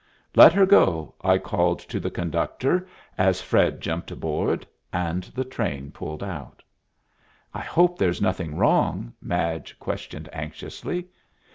"Let her go," I called to the conductor, as Fred jumped aboard; and the train pulled out. "I hope there's nothing wrong?" Madge questioned, anxiously.